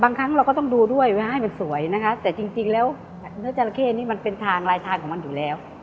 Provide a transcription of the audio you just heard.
ครั้งเราก็ต้องดูด้วยว่าให้มันสวยนะคะแต่จริงแล้วเนื้อจราเข้นี่มันเป็นทางลายทางของมันอยู่แล้ว